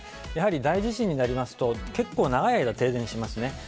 大地震になりますと結構長い間、停電しますね。